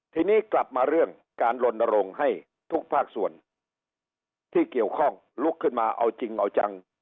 ทีนี้กลับมาเรื่องการลนรงค์ให้ทุกภาคส่วนที่เกี่ยวข้องลุกขึ้นมาเอาจริงเอาจัง